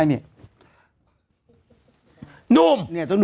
เนี่ยต้องดูว่าใคร